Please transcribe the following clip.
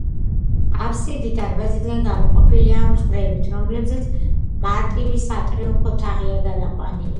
აფსიდი დარბაზისგან გამოყოფილია მხრებით, რომლებზეც მარტივი სატრიუმფო თაღია გადაყვანილი.